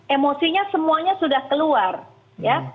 emosinya semuanya sudah keluar ya